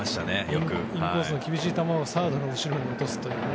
インコースの厳しい球をサードの後ろに落とすと。